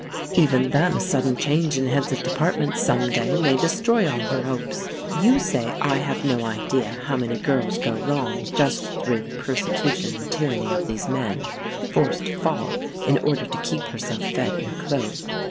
Even then a sudden change in heads of departments some day may destroy all her hopes. You say I have no idea how many girls go wrong just through the persecution and tyranny of these men forced to fall in order to keep herself fed and clothed.